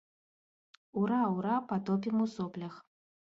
Ура, ура, патопім у соплях.